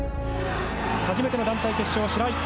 初めての団体決勝、白井！